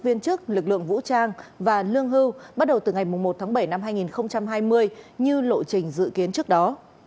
viên chức lực lượng vũ trang và lương hưu bắt đầu từ ngày một tháng bảy năm hai nghìn hai mươi như lộ trình dự kiến trước đó